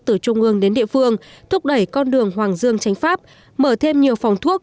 từ trung ương đến địa phương thúc đẩy con đường hoàng dương tránh pháp mở thêm nhiều phòng thuốc